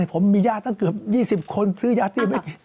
ผมมียาตั้งเกือบ๒๐คนซื้อยาเตี้ยไป